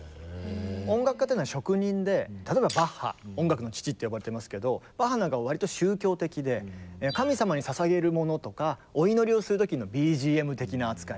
音楽家っていうのは職人で例えばバッハ「音楽の父」って呼ばれてますけどバッハなんかは割と宗教的で神様にささげるものとかお祈りをする時のＢＧＭ的な扱い。